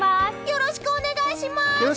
よろしくお願いします！